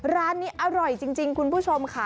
ร้านนี้อร่อยจริงคุณผู้ชมค่ะ